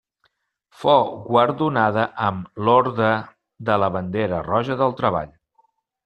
Fou guardonada amb l'Orde de la Bandera Roja del Treball.